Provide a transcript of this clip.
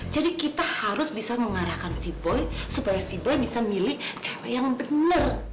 jadi kita harus bisa mengarahkan si boy supaya si boy bisa milih cewek yang bener